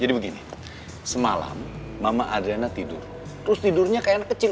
jadi begini semalam mama adriana tidur terus tidurnya kayaknya kecil